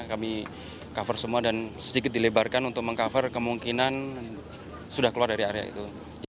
kami cover semua dan sedikit dilebarkan untuk meng cover kemungkinan sudah keluar dari area itu